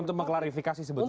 untuk mengklarifikasi sebetulnya